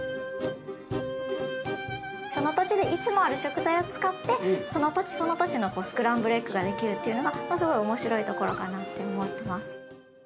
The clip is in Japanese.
その土地でいつもある食材を使ってその土地その土地のスクランブルエッグができるっていうのがまあすごい面白いところかなって思ってます。